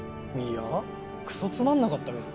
いやくそつまんなかったけど。